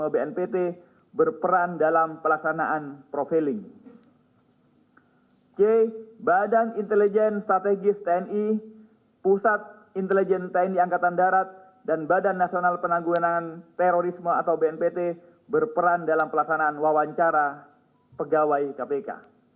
b badan intelijen strategis tni pusat intelijen tni angkatan darat dan badan nasional penanggulangan terorisme atau bnpt berperan dalam pelaksanaan wawancara pegawai kpk